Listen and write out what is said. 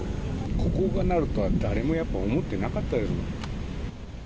ここがなるとは、誰もやっぱ思ってなかったですもん。